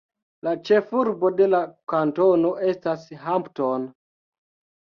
La ĉefurbo de la kantono estas Hampton.